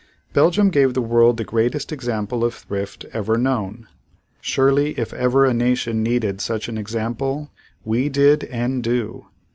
Belgium gave the world the greatest example of thrift ever known. Surely, if ever a nation needed such an example, we did and do.